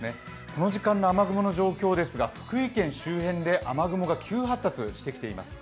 この時間の雨雲の状況ですが福井県周辺で雨雲が急発達してきています。